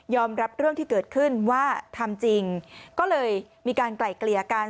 รับเรื่องที่เกิดขึ้นว่าทำจริงก็เลยมีการไกล่เกลี่ยกัน